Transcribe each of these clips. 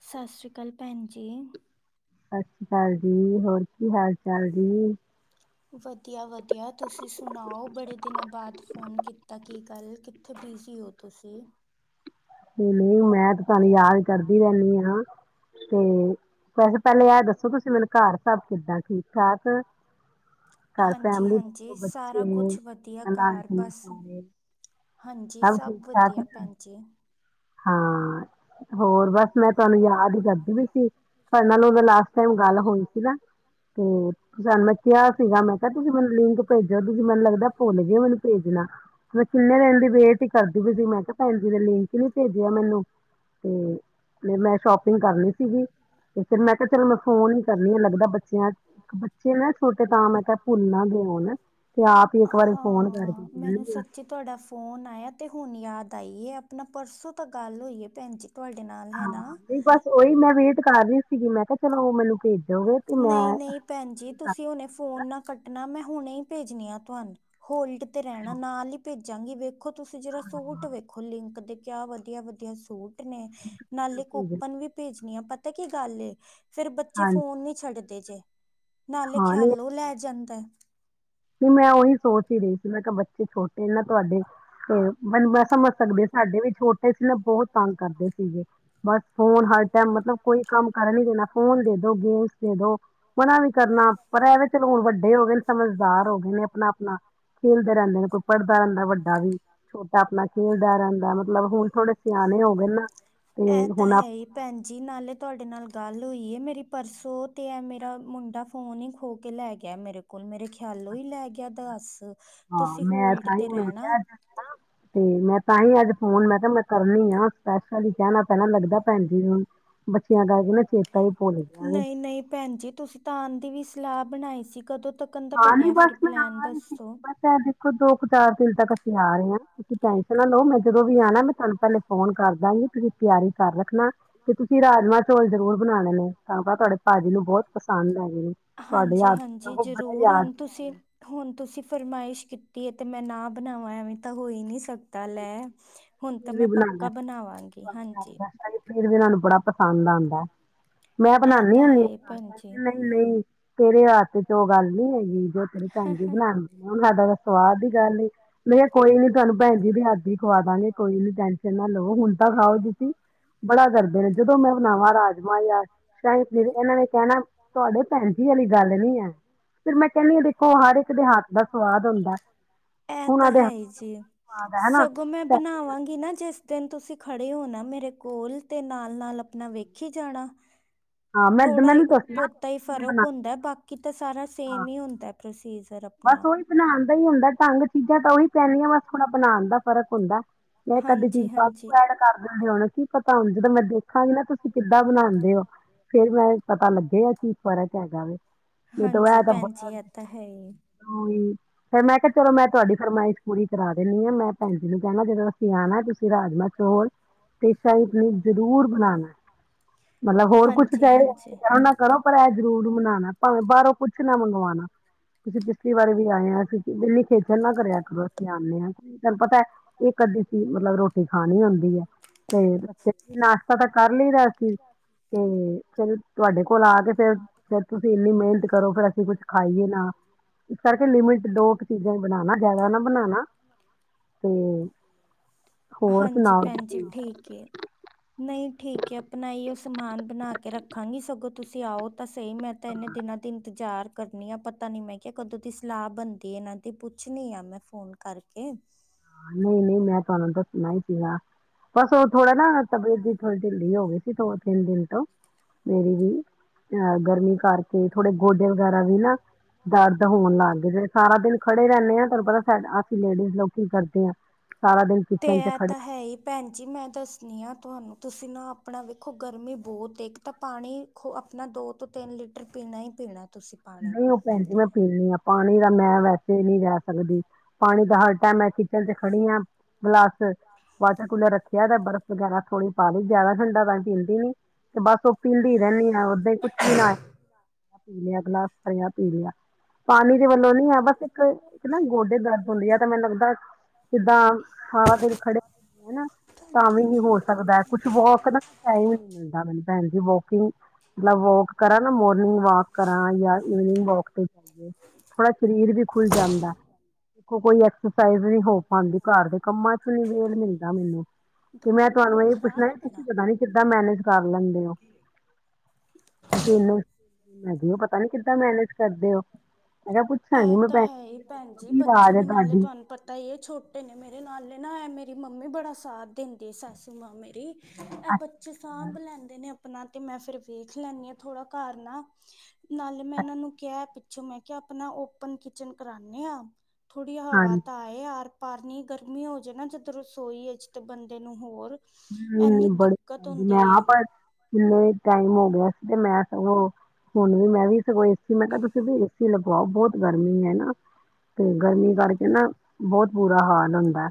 ਸਤਿ ਸ੍ਰੀ ਅਕਾਲ, ਭੈਣ ਜੀ। ਸਤਿ ਸ਼੍ਰੀ ਅਕਾਲ ਜੀ। ਹੋਰ ਕੀ ਹਾਲ ਚਾਲ ਜੀ? ਵਧੀਆ, ਵਧੀਆ। ਤੁਸੀਂ ਸੁਣਾਓ ਬੜੇ ਦਿਨਾਂ ਬਾਅਦ ਫ਼ੋਨ ਕੀਤਾ। ਕੀ ਗੱਲ ਕਿੱਥੇ ਬਿਜ਼ੀ ਹੋ ਤੁਸੀਂ? ਨਹੀਂ, ਨਹੀਂ ਮੈਂ ਤੇ ਤੁਹਾਨੂੰ ਯਾਦ ਕਰਦੀ ਰਹਿੰਦੀ ਹਾਂ ਤੇ ਹਾਂਜੀ, ਹਾਂਜੀ। ਸਾਰਾ ਕੁਛ ਵਧੀਆ ਘਰ ਬਸ ਹਾਂਜੀ ਸਭ ਵਧੀਆ ਭੈਣ ਜੀ। ਹਾਂ, ਹੋਰ ਬਸ ਮੈਂ ਤੁਹਾਨੂੰ ਯਾਦ ਹੀ ਕਰਦੀ ਵੀ ਸੀ ਪਰ ਮੈਨੂੰ ਲਾਸਟ ਟਾਈਮ ਗੱਲ ਹੋਈ ਸੀ ਨਾ। ਹੂੰ ਤੇ ਤੁਹਾਨੂੰ ਮੈਂ ਕਿਹਾ ਸੀਗਾ ਮੈਂ ਕਿਹਾ ਤੁਸੀਂ ਮੈਨੂੰ ਲਿੰਕ ਭੇਜੋ ਤੁਸੀਂ ਮੈਨੂੰ ਲੱਗਦਾ ਭੁੱਲ ਗਏ ਮੈਨੂੰ ਭੇਜਣਾ। ਮੈਂ ਕਿੰਨੇ ਦਿਨ ਦੀ ਵੇਟ ਹੀ ਕਰਦੀ ਵੀ ਸੀ ਮੈਂ ਕਿਹਾ ਭੈਣ ਜੀ ਦਾ ਲਿੰਕ ਵਧੀਆ ਮੈਨੂੰ ਤੇ ਹਾਂ, ਮੈਨੂੰ ਸਚੀ ਤੁਹਾਡਾ ਫੋਨ ਆਇਆ ਤੇ ਹੁਣ ਯਾਦ ਤਾਂ ਹੀਏ ਆਪਣਾ ਪਰਸੋਂ ਤਾਂ ਗੱਲ ਹੋਈਏ ਭੈਣ ਜੀ। ਤੁਹਾਡੇ ਨਾਲ ਹੈ ਨਾ। ਬਸ ਉਹੀ ਮੈਂ ਵੇਟ ਕਰ ਰਹੀ ਸੀਗੀ ਮੈਂ ਕਿਹਾ ਚਲੋ ਉਹ ਮੈਨੂੰ ਭੇਜ ਨਹੀਂ, ਨਹੀਂ। ਭੈਣ ਜੀ ਤੁਸੀਂ ਹੁਨੇ ਫੋਨ ਨਾ ਕੱਟਣਾ ਮੈਂ ਹੁਣੇ ਹੀ ਭੇਜਣੀ ਆ ਤੁਹਾਨੂੰ ਹੋਲਡ ਤੇ ਰਹਿਣਾ ਨਾਲ ਹੀ ਭੇਜ ਚੰਗੀ ਵਿਖ ਦੇਖੋ ਤੁਸੀਂ ਜਿਹੜਾ ਸੂਟ ਵੇਖੋ ਲਿੰਕ ਦੇ ਕਿਆ ਵਧੀਆ ਵਧੀਆ ਸੂਟ ਨੇ ਨਾਲੇ ਕੂਪਨ ਵੀ ਭੇਜ ਪਤਾ ਕੀ ਗੱਲ ਏ ਫਿਰ ਬੱਚੇ ਫੋਨ ਨਹੀਂ ਹਛੱਡਦੇ ' [unintelligible] ਨਾਲੇ ਖਿਆਲੋ ਲੈ ਜਾਂਦਾ ਹੈ ਨਹੀਂ ਮੈਂ ਉਹੀ ਸੋਚ ਹੀ ਰਹੀ ਸੀ ਮੈਂ ਕਿਹਾ ਬੱਚਾ ਬੱਚੇ ਛੋਟੇ ਨਾ ਤੁਹਾਡੇ ਤੇ ਮੈਂ ਸਮੱਝ ਸਕਦੇ ਸਾਡੇ ਵੀ ਛੋਟੇ ਸੀ ਨਾ ਬਹੁਤ ਤੰਗ ਕਰਦੇ ਸੀਗੇ ਬਸ ਫੋਨ ਹਰ ਟਾਈਮ ਮਤਲਬ ਕੋਈ ਕੰਮ ਕਰਨ ਨੀ ਦੇਣਾ ਫੋਨ ਦੇ ਦੋ ਗੇਮਸ ਦੇ ਦੋ ਮਨਾ ਵੀ ਕਰਨਾ ਪਰ ਐਵੇ ਚਲੋ ਹੁਣ ਵੱਡੇ ਹੋ ਗਏ ਸਮੱਝ ਸਮਝਦਾਰ ਹੋ ਗਏ ਨੇ ਆਪਣਾ ਆਪਣਾ ਖੇਲਦੇ ਰਹਿੰਦੇ ਨੇ ਕੋਈ ਪੜ੍ਹਦਾ ਰਹਿੰਦਾ ਵੱਡਾ ਵੀ ਛੋਟਾ ਇਹ ਤਾਂ ਹੈ ਹੀ ਭੈਣ ਜੀ ਨਾਲੇ ਤੁਹਾਡੇ ਨਾਲ ਗੱਲ ਗੱਲ ਹੋਈ ਮੇਰੀ ਪਰਸੋਂ ਤੇ ਐ ਮੇਰਾ ਮੁੰਡਾ ਫੋਨ ਹੀ ਖੋ ਕੇ ਲੈ ਗਿਆ ਮੇਰੇ ਕੋਲ ਮੇਰੇ ਖਿਆਲੋਂ ਹੀ ਲੈ ਗਿਆ ਦਸ ਹਾਂ ਮੈਂ ਤਾਂ ਹੀ ਉਹਨੂੰ ਦਸਿਆ ਤੇ ਮੈਂ ਤਾਂ ਹੀ ਅੱਜ ਫੋਨ ਮੈਂ ਕਿਹਾ ਮੈ ਕਰਨੀ ਆ ਸਪੈਸ਼ਲ ਹੀ ਕਹਿਣਾ ਪੈਣਾ ਲੱਗਦਾ ਭੈਣ ਜੀ ਨੂੰ ਹਣ ਬੱਚਿਆਂ ਕਰਕੇ ਚੇ ਨਹੀਂ ਨਹੀਂ ਭੈਣ ਜੀ ਤੁਸੀਂ ਤਾਂ ਆਂਦੀ ਵੀ ਸਲਾਹ ਬਣਾਈ ਸੀ ਕਦੋਂ ਹਾਂ ਨੀ ਬਸ ਮੈਂ ਆ ਸੀ ਬਸ ਦੋ ਕੁ ਚਾਰ ਦਿਨ ਤੱਕ ਅਸੀਂ ਆ ਰਹੇ ਹਾਂ ਤੁਸੀਂ ਟੈਨਸ਼ੇਨ ਨਾ ਲਓ ਮੈਂ ਜਦੋਂ ਵੀ ਆਣਾ ਮੈਂ ਤੁਹਾਨੂੰ ਪਹਿਲੇ ਫੋਨ ਕਰ ਦਾਂਗੀ ਤੁਸੀਂ ਤਿਆਰੀ ਕਰ ਰੱਖਣਾ ਤੇ ਤੁਸੀਂ ਰਾਜਮਹ ਚੋਲ ਜਰੂਰ ਬਣਾਣੇ ਨੇ ਤੁਹਾਨੂੰ ਪ ਤੁਹਾਡੇ ਭਾਜੀ ਨੂੰ ਬਹੁਤ ਪਸੰਦ ਹੈਗੇ ਨੇ ਤੁਹਾਡੇ ਹੁਣ ਤੁਸੀਂ ਹੁਣ ਤੁਸੀਂ ਫਰਮਐਸ਼ ਫਕਮਾਇਸ਼ ਕੀਤੀ ਹੈ, ਤੇ ਮੈਂ ਨਾ ਬਣਾਵਾਂ ਐਵੇਂ ਤਾਂ ਹੋ ਹੀ ਨਹੀਂ ਸਕਦਾ, ਲੈ। ਹੁਣ ਤਾਂ ਮੈਂ ਪੱਕਾ ਬਣਾਵਾਂਗੀ, ਹਾਂਜੀ। ਫਿਰ ਵੀ ਇਹ ਨੂੰ ਬੜਾ ਪਸੰਦ ਆਉਂਦਾ। ਮੈਂ ਬਣਾਉਦੀ ਹੁੰਦੀ ਆਂ, ਨਹੀਂ ਨਹੀਂ ਤੇਰੇ ਵਸ ਚ ਉਹ ਗੱਲ ਨੀ ਹੈਗੀ ਬ ਤੇਰੀ ਭੈਣ ਜੀ ਬਣਾਉਣ ਦੀ ਸਾਡਾ ਤਾਂ ਸਵਾਦ ਦੀ ਗੱਲ ਮੈਂ ਕਿਹਾ ਕੋਈ ਨੀ ਤੁਹਾਨੂੰ ਭੈਣਜੀ ਦੇ ਹੱਥ ਦੀ ਖਵਾ ਦਾਂਗੇ। ਕੋਈ ਟੈਨਸ਼ਨ ਨਾ ਲੋ, ਹੁਣ ਤਾਂ ਖਾਓ ਤੁਸੀ ਬੜਾ ਗਦੇ ਨੇ ਜਦੋਂ ਮੈਂ ਬਣਾਵਾਂ ਰਾਜਮਾ ਜਾਂ ਸ਼ਾਹੀ ਪਨੀਰ ਇਹਨਾਂ ਨੇ ਕਹਿਣਾ ਤੁਹਾਡੇ ਭੈਣ ਜੀ ਵਾਲੀ ਗੱਲ ਨੀ ਹੈ, ਫਿਰ ਮੈਂ ਕਹਨੀ ਆ ਦੇਖੋ ਹਰ ਇੱਕ ਦੇ ਹੱਥ ਦਾ ਸਵਾਦ ਹੁੰਦਾ, ਉਨਾਂਦੇ ਜੀ, ਸਗੋਂ ਮੈਂ ਬਣਾਵਾਂਗੀ ਕੀ ਨਾ ਜਿਸ ਦਿਨ ਤੁਸੀਂ ਖੜੇ ਹੋ ਨਾ ਮੇਰੇ ਕੋਲ ਤੇ ਨਾਲ ਨਾਲ ਆਪਣਾ ਵੇਖੀ ਜਾਣਾ ਥੋੜਾ ਬਹੁਤਾ ਹੀ ਫ਼ਰਕ ਹੁੰਦਾ ਬਾਕੀ ਤਾਂ ਸਾਰਾ ਸੇਮ ਹੀ ਹੁੰਦਾ ਪ੍ਰੋਸੀਜਰ। ਬਸ ਉਹੀ ਬਣਾਉਣ ਦਾ ਹੀ ਹੁੰਦਾ ਢੰਗ ਚੀਜ਼ਾਂ ਤਾਂ ਉਹੀ ਪੈਂਦੀਆਂ, ਬਸ ਥੋੜਾ ਬਣਾਉਣ ਦਾ ਫਰਕ ਹੁੰਦਾ ਇਹ ਕਦੇ ਚੀੂ ਫਾਲਤੂ ਐਡ ਕਰ ਦਿੰਦੇ ਹੋਣੇ। ਕੀ ਪਤਾ ਹੁਣ ਜਦੋਂ ਮੈਂ ਦੇਖਾਂਗੀ ਨਾ, ਤੁਸੀਂ ਹਾਂਜੀ, ਭੈਣ ਜੀ, ਇਹ ਤਾਂ ਹੈ [inaudible] ਫਿਰ ਮੈਂ ਕਿਹਾ ਚਲੋ ਮੈਂ ਤੁਹਾਡੀ ਫਰਮਾਇਸ਼ ਪੂਰੀ ਕਰਾ ਦਦੀ ਆਂ, ਮੈਂ ਭੈਣਜੀ ਜਿਹਨੂੰ ਕਹਿਣਾ ਜਿਸ ਦਿਨ ਅਸੀ ਆਣਾ ਐ, ਤੁਸੀਂ ਰਾਜਮਾ ਚੋਲ ਤੇ ਚ ਆਪਣੀ ਜ਼ਰੂਰ ਬਣਾਉਣਾ, ਮਤਲਬ ਹੋਰ ਕੁਛ ਚਾਹੇ ਕਰੋ ਨਾ ਕਰੋ ਪਰ ਇਹ ਜ਼ਰੂਰ ਬਣਾਉਣਾ ਭਾਵੇਂ ਬਾਹੋਂ ਕੁਛ ਨਾ ਮੰਗਵਾਉਣਾ। [inaudible] ਪਿਛਲੀ ਵਾਰ ਵੀ ਆਏ ਹਾਂ ਅਸੀਂ, ਇਨੀ ਖੇਚਲ ਨਾ ਕਰਿਆ ਕਰੋ ਅਸੀਂ ਆਉਂਦੇ ਹਾਂ, ਤੈਨੂੰ ਪਤਾ ਇਹ ਅਧੀ ਮਤਲਬ ਰੋਟੀ ਖਾਣੀ ਹੁੰਦੀ ਹੈ, ਤੇ ਨਾਸ਼ਤਾ ਤਾਂ ਕਰ ਲਈਦਾ ਅਸੀਂ, ਤੇ ਫਿਰ ਤੁਹਾਡੇ ਕੋਲ ਆ ਕੇ ਫੇਰ ਤੁਸੀਂ ਇੰਨੀ ਮਿਹਨਤ ਕਰੋ, ਫੇਰ ਅਸੀਂ ਕੁੱਛ ਖਾਈਏ ਨਾ। ਇਸ ਕਰਕੇ ਲਿਮਿਟ ਦੋ ਕੁ ਚੀਜ਼ਾਂ ਬਣਾਣਾ ਜਿਆਦਾ ਨਾ ਬਣਾਣਾ। ਤੇ ਹੋਰ ਸੁਣਾਓ ਤੁਸੀਂ ਨਹੀਂ ਠੀਕ ਹੈ ਆਪਣਾ ਹੀ ਉਹ ਸਮਾਨ ਬਣਾ ਕੇ ਰੱਖਾਂਗੀ ਸਗੋਂ ਤੁਸੀਂ ਆਔ ਤਾਂ ਸਹੀ ਮੈਂ ਤਾਂ ਇਨੇ ਦਿਨਾਂ ਦੀ ਇੰਤਜ਼ਾਰ ਕਰਨੀ ਆ ਪਤਾ ਨੀ ਮੈਂ ਕਿਹਾ ਕਦੋਂ ਦੀ ਸਲਾਹ ਬਣਦੀ ਇਹਨਾਂ ਦੀ ਪੁੱਛਣੀ ਆ ਮੈਂ ਫੋਨ ਕਰਕੇ। ਨਹੀਂ-ਨਹੀਂ ਮੈਂ ਤੁਹਾਨੂੰ ਦੱਸਣਾ ਹੀ ਸੀਗਾ। ਬਸ ਉਹ ਥੋੜਾ ਨਾ ਤਬੀਅਤ ਦੀ ਥੋੜੀ ਢਲੀ ਹੋ ਗਈ। ਦੋ ਤਿੰਨ ਦਿਨ ਤੋਂ ਮੇਰੀ ਵੀ ਅ ਗਰਮੀ ਕਰ- ਤੇ ਥੋੜੇ ਗੋਡੇ ਵਗੈਰਾ ਵੀ ਨਾ ਦਰਦ ਹੋਣ ਲੱਗ ਗਏ ਸਾਰਾ ਦਿਨ ਖੜੇ ਰਹਿੰਦੇ ਆ ਤੁਹਾਨੂੰ ਪਤਾ ਅਸੀਂ ਲੇਡੀਜ਼, ਕਰਦੇ ਹਾਂ ਸਾਰਾ ਦਿਨ ਕਿਚਨ ਚ ਖੜੇ, ਦੱਸਣੀ ਆ ਤੁਹਾਨੂੰ ਤੁਸੀਂ ਨਾ ਆਪਣਾ ਵੇਖੋ ਗਰਮੀ ਬਹੁਤ ਇੱਕ ਤਾਂ ਪਾਣੀ ਖ ਆਪਣਾ ਦੋ ਤੋਂ ਤਿੰਨ ਲੀਟਰ, [inaudible] ਨਹੀਂ ਉਹ ਭੈਣ ਜੀ ਮੈਂ ਪੀਣੀ ਆ, ਪਾਣੀ ਦਾ ਮੈਂ ਵੈਸੇ ਨੀ ਰਹਿ ਸਕਦੀ। ਪਾਣੀ ਤਾਂ ਹਰ ਟਾਈਮ ਮੈਂ ਕਿਚਨ ਚ ਖੜੀ ਆ। ਗਲਾਸ ਵਾਟਰ ਕੂਲਰ ਰੱਖਿਆ ਬਰਫ਼ ਵਗੈਰਾ ਥੋੜੀ ਪਾ ਲਈ ਜਿਆਦਾ ਠੰਡਾ ਤਾਂ ਪੀਂਦੀ ਨੀ, ਤੇ ਬਸ ਉਹ ਪੀਂਦੀ ਰਹਿੰਦੀ ਆ ਓਦਾਂ ਹੀ ਕੁਛ ਵੀ ਨਾ ਪੀ ਲਿਆ। ਹਰੀਆ ਪੀਲੀਆ [inaudible] ਪਾਣੀ ਦੇ ਵੱਲੋਂ ਨੀ ਹੈ ਬਸ ਇੱਕ ਨਾ ਗੋਡੇ ਦਰਦ ਹੁੰਦੇ ਹੈ ਤਾਂ ਮੈਨੂੰ ਲੱਗਦਾ ਜਿੱਦਾਂ ਸਾਰਾਂ ਦਿਨ ਖੜੇ ਹਦੇ ਨਾ ਤਾਂ ਵੀ ਹੋ ਸਕਦਾ ਕੁਛ ਬਹੁਤ ਨਾ ਟਾਈਮ ਨੀ ਮਿਲਦਾ ਮੈਨੂੰ ਭੈਣ ਜੀ ਬਹੁਤ ਦਾ ਵਾ, ਕਰਾਂ ਨਾ ਮੋਰਨਿੰਗ ਵਾਕ ਕਰਾਂ ਜਾ, ਵਾਕ ਤੇ ਥੋੜਾ ਸਰੀਰ ਵੀ ਖੁੱਲ ਜਾਂਦਾ ਕੋਈ ਸਫਾਈ ਵੀ ਨੀ ਹੋ ਪਾਦੀ ਘਰ ਦੇ ਕੰਮਾਂ ਚ ਨੀ ਵੇਲ ਮਿਲਦਾ ਮੈਨੂੰ ਤੇ ਮੈਂ ਤੁਹਾਨੂੰ ਇਹ ਪੁੱਛਣਾ ਤੁਸੀਂ ਪਤਾ ਨੀ ਕਿੱਦਾਂ ਮੈਨੇਜ ਕਰ ਲੈਂਦੇ ਹੋ ਤੁਸੀ ਇਹਨੂੰ ਹੈਗੇ ਹੋ ਪਤਾ ਨੀ ਕਿ ਮੈ ਮੈਨੇਜ, ਇਹ ਤਾਂ ਹੈ ਹੀ ਭੈਣ ਜੀ ਬੱਚੇ ਵੀ ਨਾਲੇ ਤੁਹਾਨੂੰ ਪਤਾ ਇਹ ਛੋਟੇ ਨੇ ਮੇਰੇ ਨਾਲੇ ਨਾ ਐ ਮੇਰੇ, ਮੰਮੀ ਬੜਾ ਸਾਥ ਦਿੰਦੀ ਸੱਸ ਮਾਂ ਮੇਰੀ, ਬੱਚੇ ਸਾਂਭ ਲੈਂਦੇ ਨੇ, ਆਪਣਾ ਤੇ ਮੈਂ ਫੇਰ ਵੇਖ ਲੈਂਨੀ ਆ ਥੋੜਾ ਘਰ ਨਾ ਨਾਲੇ ਮੈਂ ਇਹਨਾਂ ਨੂੰ ਕਿਹਾ। ਪਿੱਛੋਂ ਮੈਂ ਕਿਹਾ ਆਪਣਾ ਓਪਨ ਕਿਚਨ ਕਰਾਨੀ ਆ, ਥੋੜੀ ਹਵਾ ਤਾਂ ਆ ਹੈ ਯਰ, ਪਾਰਨੀ ਗਰਮੀ ਹੋ ਜੇ ਨਾ ਜਦੋਂ ਰਸੋਈ ਤੇ ਬੰਦੇ ਨੂੰ ਹੋਰ, ਬੜੇ ਮੈਂ ਪਰ ਕਿੰਨੇ ਟਾਈਮ ਹੋ ਗਿਆ। ਤੇ ਮੈਂ ਸਗੋਂ ਹੁਣ ਵੀ ਮੈਂ ਵੀ ਸਗੋਂ। ਕਿ ਮੈਂ ਕਿਹਾ ਤੁਸੀਂ ਵੀ, ਲਗਵਾਓ ਬਹੁਤ ਗਰਮੀ ਹੈ ਨਾ ਤੇ ਗਰਮੀ ਕਰਕੇ ਨਾ ਬਹੁਤ ਬੁਰਾ ਹਾਲ ਹੁੰਦਾ।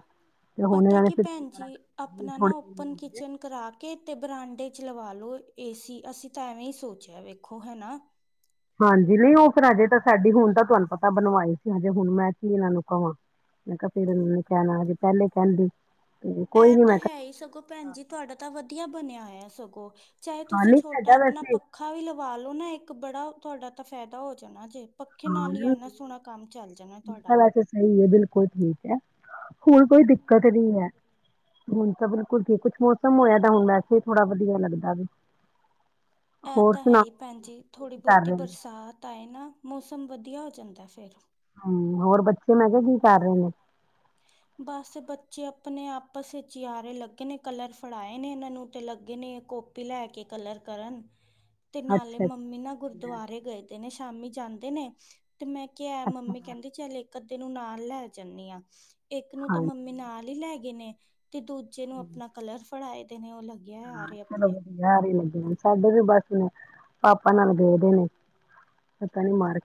ਪਤਾ ਕਿ ਭੈਣ ਜੀ ਆਪਣਾ, ਨਾ ਓਪਨ ਕਿਚਨ ਕਰਾ ਕੇ ਤੇ ਬਰਾਂਡੇ, ਲਵਾ ਲੋ ਏਸੀ ਅਸੀਂ ਤਾਂ ਐਵੇਂ ਹੀ ਸੋਚਿਆ ਵੇਖੋ ਹੈਨਾ। ਹਾਂਜੀ ਨਹੀਂ ਉਹ ਫੇਰ ਹਜੇ ਤਾਂ ਸਾਡੀ ਹੁਣ ਤਾਂ ਤੁਹਾਨੂੰ ਪਤਾ ਬਣਵਾਈ ਸੀ ਹਜੇ ਹੁਣ ਮੈਂ ਕਿ ਇਹਨਾਂ ਨੂੰ ਕਹਾਂ ਮੈਂ ਕਿਹਾ ਫਿਰ ਇਹਨਾਂ ਨੇ ਕਹਿਣਾ ਹਜੇ ਪਹਿਲੇ ਕਹਿੰਦੀ। ਇਹ ਤਾਂ ਹੈ ਹੀ ਸਗੋਂ ਭੈਣ ਜੀ ਤੁਹਾਡਾ ਤਾਂ ਵਧੀਆ ਬਣਿਆ। ਆ ਸੋ [unintelligible] ਚਾਹੇ ਤੁਸੀਂ ਛੋਟਾ ਆਪਣਾ ਪੱਖਾ ਵੀ ਲਵਾ ਲਓ ਨਾ ਇੱਕ ਬੜਾ ਤੁਹਾਡਾ ਤਾਂ ਫ਼ਾਇਦਾ ਹੋ ਜਾਣਾ ਜੇ ਪੱਖੇ ਨਾਲ ਹੀ ਇਨਾ ਸੋਹਣਾ ਕੰਮ ਚੱਲ ਜਾਣਾ ਤੁਹਾਡਾ ਹੋਰ ਠੀਕ ਐ। ਹੁਰ ਕੋਈ ਦਿੱਕਤ ਨੀ ਹੈ ਹੁਣ ਸਭ ਰ ਕੇ [unintelligible] ਕੁਛ ਮੌਸਮ ਹੋਇਆ। ਹੁਣ ਵੈਸੇ ਥੋੜ੍ਹਾ ਵਧੀਆ ਲੱਗਦਾ ਵੇ। ਐ ਤਾਂ ਹੈ ਈ ਭੈਣਜੀ ਥੋੜ੍ਹੀ ਬੌਤੀ ਬਰਸਾਤ ਆਏ ਨਾ ਮੌਸ ਸਮ ਵਧੀਆ ਹੋ ਜਾਂਦੈ ਫੇਰ। ਹਾਂਜੀ ਹੋਰ ਬੱਚੇ ਮੈਂ ਕਿਆ ਕੀ ਕਰ ਰੇ ਨੇ? ਬਸ ਬੱਚੇ ਅਪਣੇ ਆਪਸ ਏਚ ਈ ਆਰੇ ਲੱਗੇ ਨੇ ਕਲਰ ਫੜਾਏ ਨੇ ਏਨਾਂ ਨੂੰ ਤੇ ਲੱਗੇ ਨੇ ਕੋਪੀ ਲੈ ਕੇ ਕਲਰ ਕਰਨ। ਤੇ ਨਾਲੇ ਮੰਮੀ ਨਾ ਗੁਰਦੁਆਰੇ ਗਏ ਦੇ ਨੇ। ਸ਼ਾਮੀ ਜਾਂਦੇ ਨੇ। ਤੇ ਮੈਂ ਕਿਐ ਮੰਮੀ ਕੈੰਦੀ ਚੱਲ ਏ। ਕਦੇ ਨੂੰ ਨਾਲ ਲੈ ਜਾਂਣੀ ਆਂ। [inaudible] ਏਕ ਨੂੰ ਤਾਂ ਮੰਮੀ ਨਾਲ ਈ ਲੈ ਗਿਨੇ ਤੇ ਦੂਜੇ ਨੂੰ ਅਪਣਾ ਕਲਰ ਪੜ੍ਹਾਏ ਦੇ ਨੇ ਔ ਹਾਂ, ਚਲੋ ਬਧੀਐ ਆਰੇ ਲਗ ਸਾਡੇ ਵੀ ਬਸ ਪਾਪਾ ਨਾਲ ਗਏ ਦੇ ਨੇ ਪਤਾ ਨੀ ਮਾਰਕ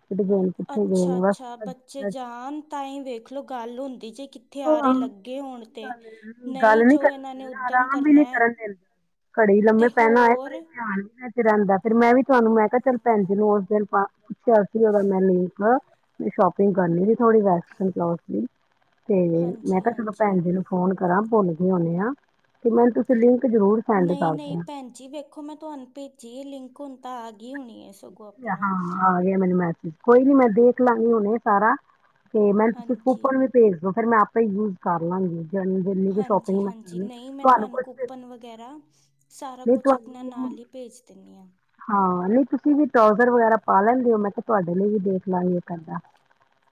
ਅੱਛਾ -ਅੱਛਾ ਬੱਚੇ ਜਾਣ ਤਾਂਈ ਦੇਖਲੋ ਗੱਲ ਹੁੰਦੀ ਜੇ ਕਿੱਥੇ ਆਰੇ ਲੱਗੇ ਹੋਣ ਗੱਲ ਗੱਲ ਨੀ ਕਰਨ ਦਣਾ ਆਰਾਮ ਵੀ ਨੀ ਕਰਨ ਦਿੰਦੇ ਘੜੀ ਲੰਮੇ ਪੈਨਾ ਹੋਏ ਪਰੇ ਧਿਆਨ ਵੀ ਮੈਂ ਤੇ ਜਾਂਦਾ ਫਿਰ ਮੈਂ ਵੀ ਤੁਹਾਨੂੰ ਮੈਂ ਕਿਆ ਚਲ ਭੈਣ ਜੀ ਨੂੰ ਓਸ ਦੇਨ ਪਾ ਪੁੱਛਿਆ ਸੀ ਔਦਾ ਮੈਂ ਲੇੰਕ ਸ਼ੋਪਿੰਗ ਕਰਨੀ ਸੀ ਥੋੜੀ ਵੈਸਟਰਨ ਕਲੋਥ ਦੀ, ਤੇ ਮੈਂ ਕਿਆ ਚਲੋ ਭੈਣ ਜੀ ਨੂੰ ਕਰਾਂ ਭੁੱਲ ਗੇ ਹੋਣੇ ਆਂ। ਨਹੀਂ ਨਹੀਂ ਭੈਣ ਜੀ ਵੇਖੋ ਮੈਂ ਤੁਹਾਨੂੰ ਭੇਜੀ ਏ ਲਿੰਕ ਹੁਣ ਤਾਦ ਠੀਕ, ਹਾਂ ਆਗੇਆ ਮੈਨੂੰ ਮੈਸਜ ਕੋਈ ਨੀ ਮੈਂ ਦੇਖ ਲਾਂਗੀ ਹੁਣੇ ਸਾਰਾ। ਤੇ ਮੈਮ ਤੁਸੀਂ ਕੂਪਨ ਵੀ ਭੇਜ ਦੋ। ਫੇਰ ਮੈਂ ਆਪੇ ਈ ਯੂਜ ਕਰ ਲਾਂਗੀ। ਹਾਂਜੀ ਹਾਂਜੀ, ਨਹੀਂ ਮੈਂ ਤੁਹਾਨੂੰ ਕੂਪਨ ਵਗੈਰਾ ਸਾਰਾ ਕੁਛ ਅਪਣਾ ਨਾਲ ਈ ਭੇਜ ਦੇਨੀ ਆਂ। ਹਾਂ, ਨਹੀਂ ਤੁਸੀਂ ਵੀ ਟ੍ਰਾਉਜ਼ਰ ਵਗੈਰਾ ਪਾ ਲੈਂਦੇ ਔ, ਮੈਂ ਕੈ ਤੁਹਾਡੇ ਲਈ ਵੀ ਦੇਖ ਲਾਗੀ ਇੱਕ ਅੱਧਾ।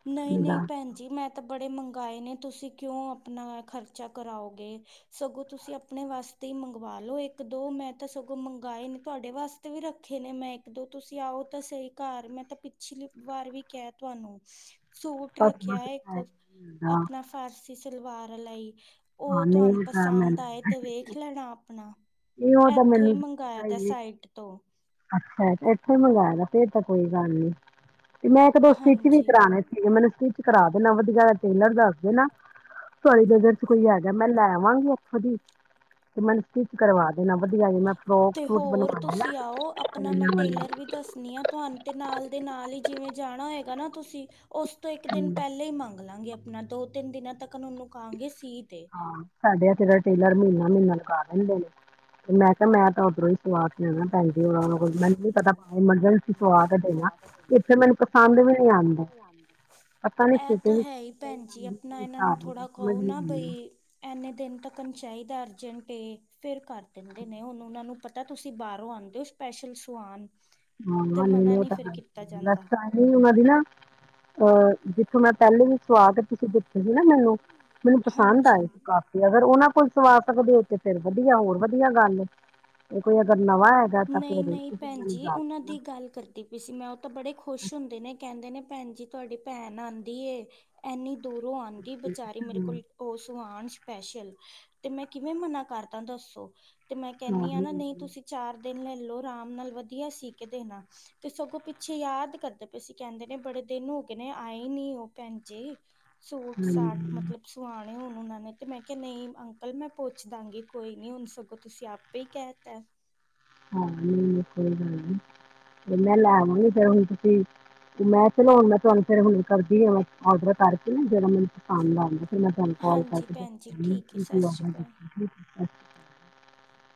ਨਹੀਂ ਨਹੀਂ, ਭੈਣਜੀ ਮੈਂ ਤੇ ਬੜੇ ਮੰਗਾਏ ਨੇ। ਤੁਸੀਂ ਕਿਓ ਅਪਣਾ ਖ਼ਰਚਾ ਕਰਾਓਗੇ, ਸਗੋਂ ਤੁਸੀਂ ਅਪਣੇ ਵਾਸਤੇ ਈ ਮੰਗਵਾ ਲੋ ਇੱਕ ਦੋ ਮੈਂ ਤਾਂ ਸਗੋਂ ਮੰਗਾਏ ਨੇ ਤੁਹਾਡੇ ਵਾਸਤੇ ਵੀ ਰੱਖੇ ਨੇ ਮੈਂ ਇੱਕ ਦੋ ਤੁਸੀਂ ਆਓ ਤਾਂ ਸਹੀ ਘਰ ਮੈਂ ਤਾਂ ਪਿਛਲੀ ਵਾਰ ਵੀ ਕਿਐ ਤੁਹਾਨੂੰ। ਸੂਟ ਰੱਖਿਆ ਇਕ ਅਪਣਾ ਫਾਰਸੀ। ਸਲਵਾਰ ਲਈ ਉਹ ਤੁਹਾਨੂੰ ਪਸੰਦ ਆਏ ਤੇ ਵੇਖ ਲੈਣਾ ਆਪਣਾ ਇੱਥੋਂ ਹੀ ਮੰਗਵਾਆ ਦਾ ਸਾਈਟ ਤੋਂ ਇੱਥੋਂ ਮੰਗਵਾਇਦਾ ਫਿਰ ਤਾਂ ਕੋਈ ਗੱਲ ਨੀ ਤੇ ਮੈਂ ਇੱਕ ਦੋ ਸਟਿਚ ਵੀ ਕਰਾਣੇ ਸੀਗੇ ਮੈਨੂੰ ਸਟਿਚ ਕਰਾ ਦੇਣਾ ਵਧਆਰਾ ਟੇਲਰ ਦੱਸ ਦੇ ਨਾ ਤੁੀ [unintelligible] ਨਗਰ ਚ ਕੋਈ ਹੈਗਾ ਮੈਂ ਲੈ ਆਵਾਂਗੀ ਉਥੋਂ ਦੀ ਤੇ ਮ ਕੀ [unintelligible] ਕਰਵਾ ਤੇ ਹੋਰ ਤੁਸੀਂ ਆਓ ਆਪਣਾ ਮੈਂ ਟੇਲਰ ਵੀ ਦੱਸਣੀ ਆ ਤੁਹਾਨੂੰ ਤੇ ਨਾਲ ਦੇ ਨਾਲ ਹੀ ਜਿਵੇਂ ਜਾਣਾ ਹੋਏ ਇਕਣਾ ਤੁਸੀਂ ਉਸ ਤੋਂ ਇੱਕ ਦਿਨ ਪਹਿਲਾਂ ਹੀ ਮੰਗ ਲਾਂਗੇ ਆਪਣਾ ਦੋ ਤਿੰਨ ਦਿਨਾਂ ਤੱਕ ਉਹਨੂੰ ਖਾਾਂਗੇ ਹਾਂ ਸਾਡੇ ਤੇ ਦਾ ਟੇਲਰ ਮਹੀਨਾ ਮੈੂੰ ਲਗਾ ਦੇਦੇ ਨੇ ਮੈਂ ਕਿਹਾ ਮੈਂ ਤਾਂ ਉੱਧਰੋਂ ਹੀ ਸਵਾਦ ਲੈਣਾ ਪੈਦੀ ਕੋ [unintelligible] ਪ [unintelligible] ਸਵਾਦ ਦੇਣਾ ਇਥੇ ਮੈਨੂੰ ਪਸੰਦ ਵੀ ਨ ਆਉਂਦਾ ਪਤਾ ਨ ਇੰਨੇ ਦਿਨ ਤੱਕਣ ਚਾਹੀਦਾ ਅਰਜੰਟ ਫਿਰ ਕਰ ਦਿੰਦੇ ਨੇ ਉਹ ਉਹਨਾਂ ਨੂੰ ਪਤਾ ਤੁਸੀਂ ਬਾਹਰੋਂ ਆਉਂਦੇ ਹੋ ਸਪੈਸ਼ਲ ਸੁਆਾਨ ਹ ਨ ਉਹਨਾਂ ਦੀ ਨਾ [unintelligible] ਅਹ ਜਿੱਥੋਂ ਮੈਂ ਪਹਿਲੇ ਵੀ ਸਵਾ ਕੇ ਤੁਸੀਂ ਦਿੱਤੇ ਸੀ ਨਾ ਮੈਨੂੰ ਮੈਨੂੰ ਪਸੰਦ ਆਏ ਸੀ ਕਾਫੀ ਅਗਰ ਉਹਨਾਂ ਸੁਵਾ ਸਕਦੇ ਹੋਥ ਫੇਰ ਵਧੀਆ ਹੋਰ ਵਧੀਆ ਗੱਲ ਇਹ ਕੋਈ ਅਗਰ ਨਵਾਂ ਹੈਗਾ ਤਾਂ ਫਿਰ ਉਹਨਾਂ ਦੀ ਗੱਲ ਕਰਦੀ ਪਈ ਸੀ ਮੈਂ ਉਹ ਤਾਂ ਬੜੇ ਖੁਸ਼ ਹੁੰਦੇ ਨੇ ਕਹਿੰਦੇ ਨੇ ਭੈਣ ਜੀ ਤੁਹਾਡੀ ਭੈਣ ਆਉਂਦੀ ਏ ਇਨੀ ਦੂਰੋਂ ਆਉਂਦੀ ਬਚਾਰੀ ਮੇਰੇ ਕੋਲ ਸੁ ਆਣ ਸਪੈਸ਼ਲ ਤੇ ਮੈਂ ਕਿਵੇਂ ਮਨਾ ਕਰਤਾ ਦੱਸੋ ਤੇ ਮੈਂ ਕਹਿੰਦੀ ਹਾਂ ਨਾ ਨਹੀਂ ਤੁਸੀਂ ਚਾਰ ਦਿਨ ਲੈਲੋ ਆਰਾਮ ਨਾਲ ਵਧੀਆ ਸੀ ਦੇਣਾ ਤੇ ਸਗੋਂ ਪਿੱਛੇ ਯਾਦ ਕਰਦੇ ਪਏ ਸੀ ਕਹਿੰਦੇ ਨੇ ਬੜੇ ਦਿਨ ਹੋ ਗਏ ਨੇ ਆਏ ਨੀ ਉਹ ਭੈਣ ਜੀ ਸੂਟ ਸਾਟ ਮਤਲਬ ਸੁਆਂਣ ਹੁਣ ਉਹਨਾਂ ਨੇ ਤੇ ਮੈਂ ਕਿਹਾ ਨਹੀਂ ਅੰਕਲ ਮੈਂ ਪੁੱਛ ਦਾਂਗੀ ਕੋਈ ਨੀ ਹੁਣ ਸਗੋਂ ਤੁਸੀਂ ਆਪੇ ਹੀ ਕਹਿ ਤ ਹਾਂ ਨਹੀਂ ਨਹੀਂ ਕੋਈ ਗੱਲ ਨੀ ਮੈਂ ਲੈਵਾਂਗੀ ਫਿਰ ਹੁਣ ਤੁਸੀਂ ਮੈਂ ਚਲੋ ਹੁਣ ਮੈਂ ਤੁਹਾਨੂੰ ਫ ਹੁਣ ਕਰਦੀ ਆਡਰ ਕਰਕੇ ਨਾ ਜਿਹੜਾ ਮੈਨੂੰ ਪਸੰਦ ਆਉਂਦਾ ਤੇ ਮੈਂ ਤੁਹਾਨੂੰ ਕਾਲ ਕਰਕੇ ਦੇਖੱਗੀ ਕਿ ਕੀ ਲੈਣਾ ਹੈ [inaudible]